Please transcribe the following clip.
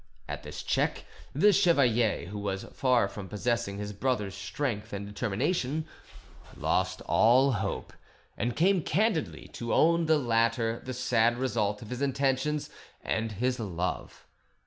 At this check, the chevalier, who was far from possessing his brother's strength and determination, lost all hope, and came candidly to own to the latter the sad result of his attentions and his love.